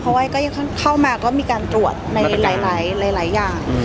เพราะว่าก็ยังเข้ามาก็มีการตรวจในหลายอย่าง